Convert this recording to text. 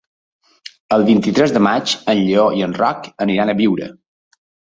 El vint-i-tres de maig en Lleó i en Roc aniran a Biure.